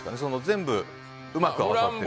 全部うまくまとまってる？